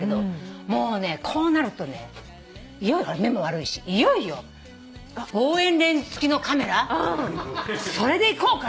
もうねこうなるとね目も悪いしいよいよ望遠レンズ付きのカメラそれでいこうかなと思って。